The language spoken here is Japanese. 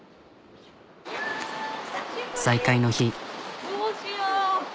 再会の日。